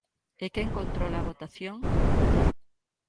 –¿E quen controla a votación?